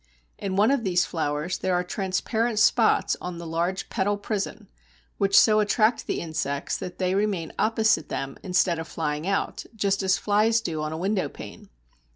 In one of these flowers there are transparent spots on the large petal prison, which so attract the insects that they remain opposite them instead of flying out (just as flies do on a window pane).